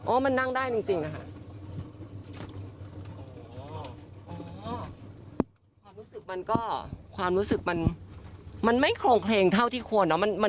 มันนั่งได้จริงนะคะ